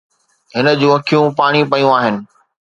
هن جون اکيون پاڻي پيون آهن.